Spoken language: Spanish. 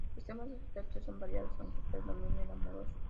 Los temas de sus textos son variados, aunque predomina el amoroso.